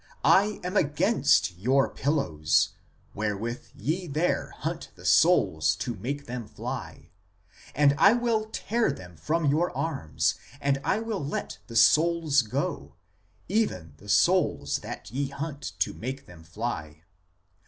THE CONSTITUENT PARTS OF MAN 17 am against your pillows, wherewith ye there hunt the souls to make them fly, and I will tear them from your arms, and I will let the souls go, even the souls that ye hunt to make them fly.